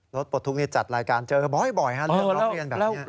รถปลดทุกค์นี้จัดรายการเจอบ่อยค่ะเรื่องรถเรียนแบบนี้